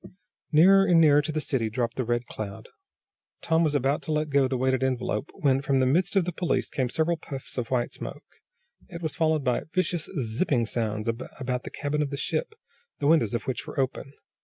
Nearer and nearer to the city dropped the Red Cloud. Tom was about to let go the weighted envelope, when, from the midst of the police came several puffs of white smoke. It was followed by vicious, zipping sounds about the cabin of the ship, the windows of which were open.